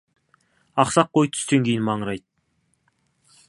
Ақсақ қой түстен кейін маңырайды.